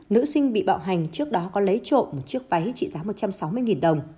nữ sinh bị bạo hành trước đó có lấy trộm một chiếc váy trị giá một trăm sáu mươi đồng